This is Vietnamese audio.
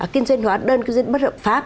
kinh doanh hóa đơn kinh doanh bất hợp